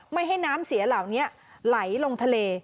ไม่ให้น้ำเสียเหล่านี้ไหลลงทะเล